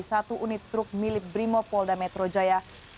satu unit truk milik drimopol da metro jaya keluar dari bali